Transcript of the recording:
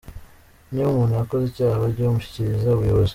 Niba umuntu yakoze icyaha bajye bamushyikiriza ubuyobozi.